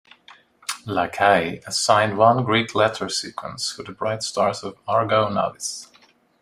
Lacaille assigned one Greek letter sequence for the bright stars of Argo Navis.